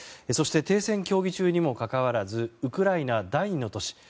そして停戦協議中にもかかわらずウクライナ第２の都市